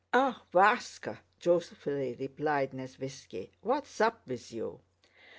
"Ah, Váska!" joyfully replied Nesvítski. "What's up with you?"